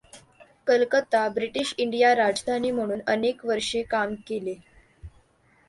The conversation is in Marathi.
कलकत्ता ब्रिटीश इंडिया राजधानी म्हणून अनेक वर्षे काम केले.